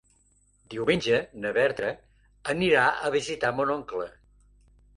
Diumenge na Berta anirà a visitar mon oncle.